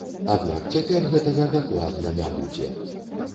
Аднак цяпер гэтага дакладна не будзе.